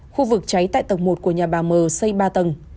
khu vực cháy tại tầng một của nhà bà m xây ba tầng